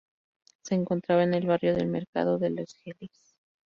Se encontraba en el barrio del mercado de Les Halles.